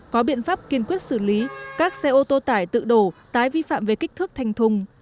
có biện pháp kiên quyết xử lý các xe ô tô tải tự đổ tái vi phạm về kích thước thành thùng